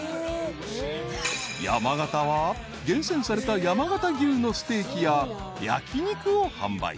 ［山形は厳選された山形牛のステーキや焼き肉を販売］